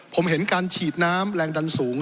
ผมเห็นการฉีดน้ำแรงดันสูง